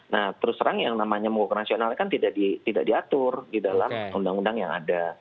nah terus terang yang namanya mogok nasional kan tidak diatur di dalam undang undang yang ada